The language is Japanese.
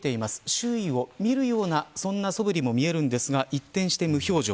周囲を見るようなそぶりも見えるんですが一転して無表情。